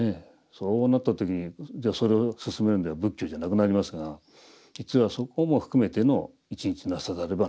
そうなった時にじゃあそれを勧めるんでは仏教じゃなくなりますが実はそこも含めての「一日作さざれば」